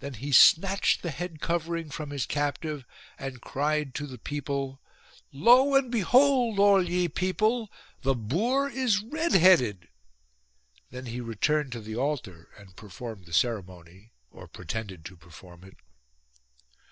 Then he snatched the head covering from his captive and cried to the people :—" Lo and behold all ye people ; the boor is red headed." Then he returned to the altar and performed the ceremony, or pretended to perform it.